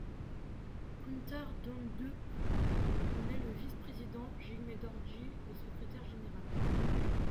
Kunthar Dhondup en est le vice-président, Jigme Dorjee le secrétaire général.